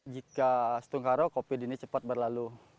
jika setengah roh covid ini cepat berlalu